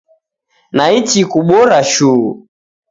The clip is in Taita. Naichi kubora shuu